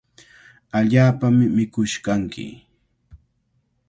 Allaapami mikush kanki.